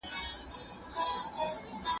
د فاضله ښار اوسېدونکي بايد نېک وي.